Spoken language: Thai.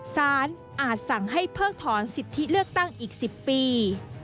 อาจสั่งให้เพิกถอนสิทธิเลือกตั้งอีก๑๐ปี